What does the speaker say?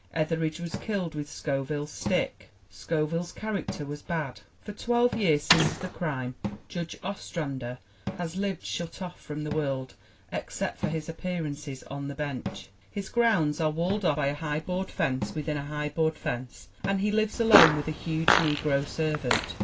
Etheridge was killed with Scoville's stick. Scoville's character was bad. For twelve years since the crime Judge Ostrander has lived shut off from the world, except for his ap pearances on the bench. His grounds are walled off by a high bpard fence within a high board fence and he lives alone with a huge negro servant.